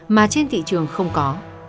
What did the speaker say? mà trên thị trường không có